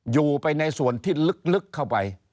อยู่ไปในส่วนที่ลึกเข้าไป